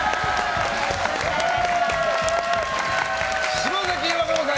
島崎和歌子さん